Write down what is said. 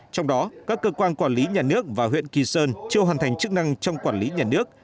trong đó các cơ quan quản lý nhà nước và huyện kỳ sơn chưa hoàn thành chức năng trong quản lý nhà nước